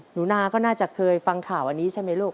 หนูนาก็น่าจะเคยฟังข่าวอันนี้ใช่ไหมลูก